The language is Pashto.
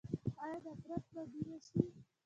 آیا نفرت به مینه شي؟